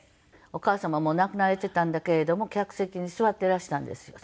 お母様もう亡くなられていたんだけれども客席に座っていらしたんですよ。